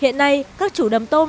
hiện nay các chủ đầm tôm